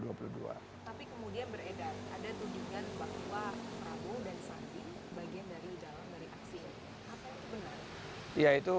tapi kemudian beredar ada tunjukan bahwa prabowo dan sandi bagian dari jalan dari aksi